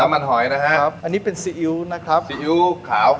มันหอยนะฮะครับอันนี้เป็นซีอิ๊วนะครับซีอิ๊วขาว